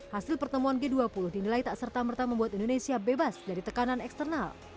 hasil pertemuan g dua puluh dinilai tak serta merta membuat indonesia bebas dari tekanan eksternal